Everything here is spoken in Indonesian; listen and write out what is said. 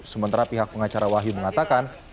sementara pihak pengacara wahyu mengatakan